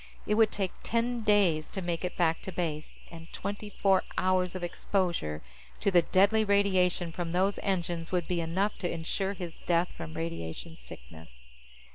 It would take ten days to make it back to base, and twenty four hours of exposure to the deadly radiation from those engines would be enough to insure his death from radiation sickness.